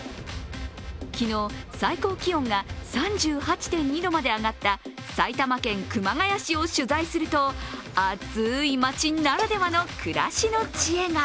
昨日、最高気温が３８．２度まで上がった、埼玉県熊谷市を取材すると、暑い街ならではの暮らしの知恵が。